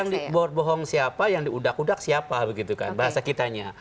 jadi yang dibohong siapa yang diudak udak siapa bahasa kitanya